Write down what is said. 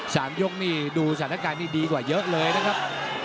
สามยกนี่ดูสถานการณ์นี้ดีกว่าเยอะเลยนะครับ